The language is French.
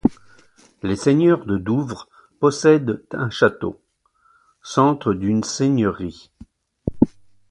Les seigneurs de Douvres possèdent un château, centre d'une seigneurie.